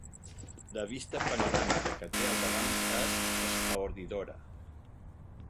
La vista panoràmica que té al davant és espaordidora.